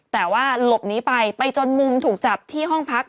แต่ว่าหลบหนีไปไปจนมุมถูกจับที่ห้องพัก